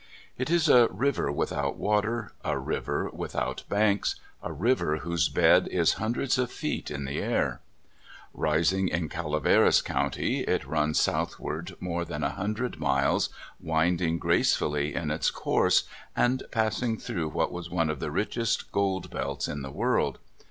It is a river without water, a river without banks, a river whose bed is hundreds of feet in the air. Rising in Cala veras County, it runs southward more than a hun dred miles, winding gracefully in its course, and passing through what was one of the richest gold belts in the world.